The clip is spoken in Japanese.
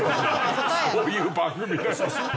そういう番組だよ。